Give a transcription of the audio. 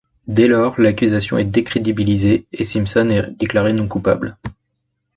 Dès lors, l'accusation est décrédibilisée et Simpson est déclaré non coupable.